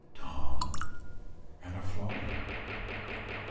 TOM AT A FLOGGING.